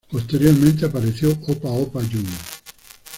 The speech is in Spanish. Posteriormente apareció Opa Opa Jr.